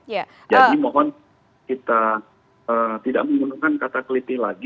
jadi mohon kita tidak menggunakan kata keliti lagi